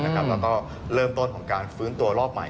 แล้วก็เริ่มต้นของการฟื้นตัวรอบใหม่